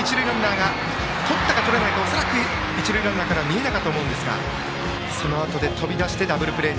とったか、とらないかは恐らく一塁ランナーからは見えなかったと思いますがそのあと、飛び出してダブルプレー。